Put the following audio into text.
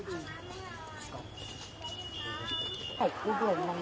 คุณภาพยังรอบบ้านมาร้อย